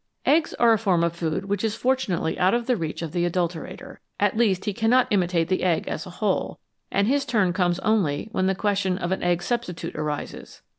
Eggs are a form of food which is fortunately out of the reach of the adulterator. At least he cannot imitate the egg as a whole, and his turn comes only when the question of an egg substitute arises.